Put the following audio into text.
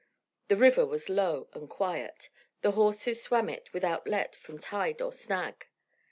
The river was low and quiet. The horses swam it without let from tide or snag.